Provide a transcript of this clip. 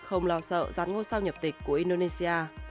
không lo sợ rán ngôi sao nhập tịch của indonesia